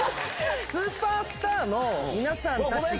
スーパースターの皆さんたちが。